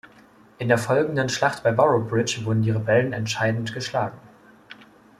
In der folgenden Schlacht bei Boroughbridge wurden die Rebellen entscheidend geschlagen.